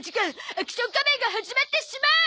『アクション仮面』が始まってしまうー！